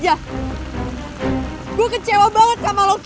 gita gue gak mau denger apa apa dari loki